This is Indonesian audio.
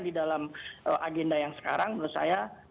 di dalam agenda yang sekarang menurut saya